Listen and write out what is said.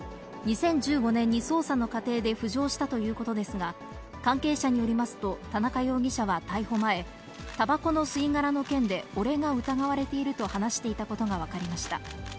２０１５年に捜査の過程で浮上したということですが、関係者によりますと、田中容疑者は逮捕前、たばこの吸い殻の件で、俺が疑われていると話していたことが分かりました。